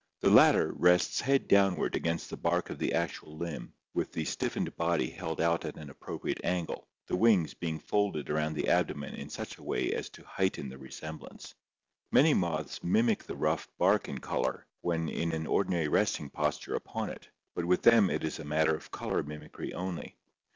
The latter rests head downward against the bark of the actual limb with the stiffened body held out at an appropriate angle, the wings being folded around the abdomen in such a way as to heighten the resemblance. Many moths mimic the rough bark in color when in an ordinary resting posture upon it, but with them it is a matter of color mimicry only.